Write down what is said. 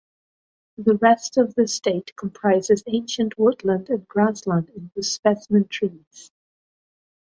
The rest of the estate comprises ancient woodland and grassland with specimen trees.